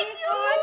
ibu suka ibu